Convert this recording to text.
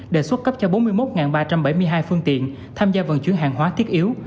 đề xuất cấp cho bốn mươi một ba trăm bảy mươi hai phương tiện tham gia vận chuyển hàng hóa thiết yếu